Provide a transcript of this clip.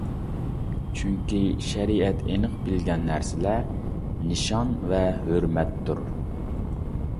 چۈنكى شەرىئەت ئېنىق بىلگەن نەرسىلەر نىشان ۋە ھۆرمەتتۇر.